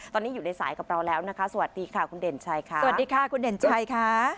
ตอนนี้อยู่ในสายกับเราแล้วนะคะสวัสดีค่ะคุณเด่นชัยค่ะ